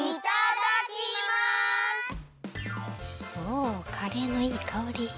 おカレーのいいかおり。